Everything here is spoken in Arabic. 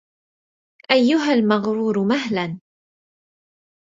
أيها المغرور مهلا